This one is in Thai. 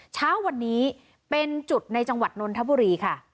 เช้าวันนี้เป็นจุดในจังหวัดนนทบุรีค่ะ